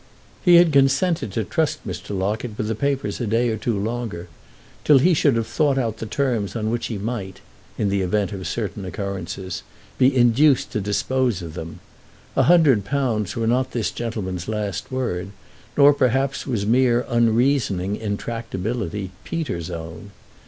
He had consented to trust Mr. Locket with the papers a day or two longer, till he should have thought out the terms on which he might—in the event of certain occurrences—be induced to dispose of them. A hundred pounds were not this gentleman's last word, nor perhaps was mere unreasoning intractability Peter's own.